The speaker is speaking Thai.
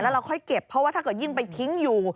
เราค่อยเก็บเพราะว่าถ้าเกิดยิ่งไปทิ้งอยู่